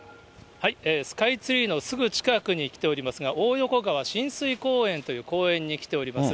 スカイツリーのすぐ近くに来ておりますが、大横川親水公園という公園に来ております。